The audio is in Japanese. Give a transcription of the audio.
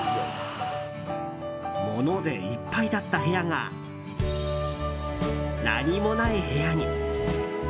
物でいっぱいだった部屋が何もない部屋に。